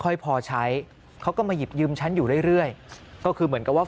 ค่อยพอใช้เขาก็มาหยิบยืมฉันอยู่เรื่อยเรื่อยก็คือเหมือนกับว่า